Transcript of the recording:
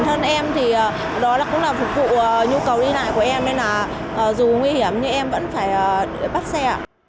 thân em thì đó cũng là phục vụ nhu cầu đi lại của em nên là dù nguy hiểm nhưng em vẫn phải bắt xe